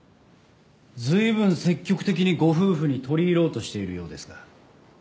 ずいぶん積極的にご夫婦に取り入ろうとしているようですが。